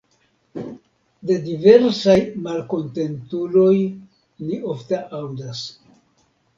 De diversaj malkontentuloj ni ofte aŭdas.